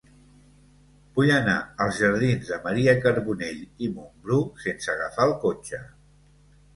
Vull anar als jardins de Maria Carbonell i Mumbrú sense agafar el cotxe.